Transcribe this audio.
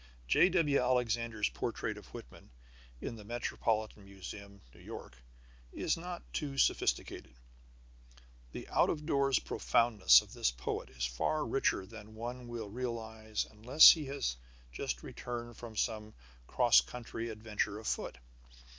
J.W. Alexander's portrait of Whitman in the Metropolitan Museum, New York, is not too sophisticated. The out of door profoundness of this poet is far richer than one will realize unless he has just returned from some cross country adventure afoot.